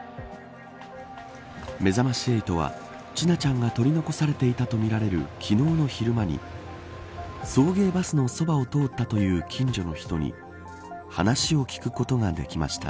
めざまし８は、千奈ちゃんが取り残されていたとみられる昨日の昼間に送迎バスのそばを通ったという近所の人に話を聞くことができました。